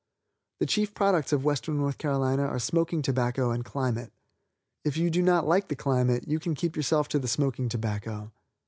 The chief products of Western North Carolina are smoking tobacco and climate. If you do not like the climate you can keep yourself to the smoking tobacco.